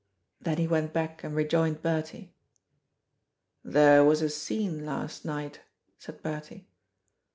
Then he went back and rejoined Bertie. "There was a scene last night," said Bertie.